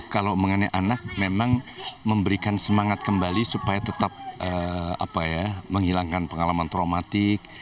kalau mengenai anak memang memberikan semangat kembali supaya tetap menghilangkan pengalaman traumatik